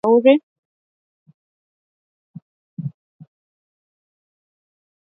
Stephanie Williams mshauri maalum wa Libya na katibu mkuu wa Umoja wa Mataifa Antonio Guterres